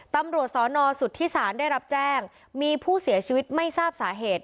ตำรวจสนสุธิศาลได้รับแจ้งมีผู้เสียชีวิตไม่ทราบสาเหตุ